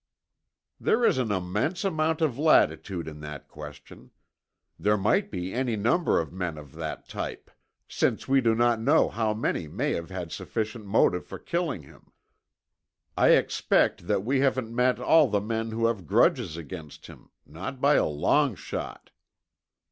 "There's an immense amount of latitude in that question. There might be any number of men of that type, since we do not know how many may have had sufficient motive for killing him. I expect that we haven't met all the men who have grudges against him, not by a long shot.